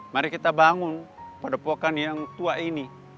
mari kita bangun pada pokok yang tua ini